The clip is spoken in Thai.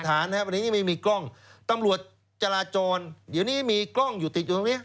ตำรวจจราจรเดี๋ยวนี้มีกล้องตรงติดตรงนี้